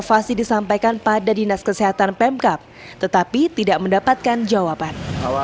puskesmas yang ambruk adalah ruangan poli umum poligigi dan ruang pendaftaran